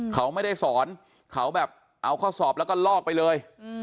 เขาไม่ได้สอนเขาแบบเอาข้อสอบแล้วก็ลอกไปเลย